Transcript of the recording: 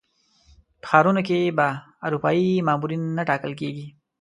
په ښارونو کې به اروپایي مامورین نه ټاکل کېږي.